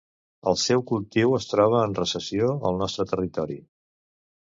El seu cultiu es troba en recessió al nostre territori.